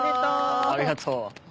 ありがとう。